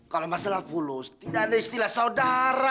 kalau masalah fulus tidak ada istilah saudara